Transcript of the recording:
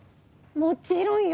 もちろんよ！